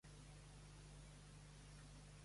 Com han concretat l'actitud de Ferrer?